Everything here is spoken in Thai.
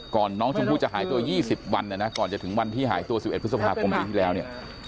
น้องชมพู่จะหายตัว๒๐วันเนี่ยนะก่อนจะถึงวันที่หายตัว๑๑พฤษภาคมปีที่แล้วเนี่ย